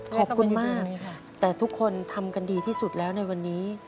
ขอบคุณมากแต่ทุกคนทำกันดีที่สุดแล้วในวันนี้